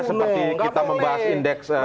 seperti kita membahas indeks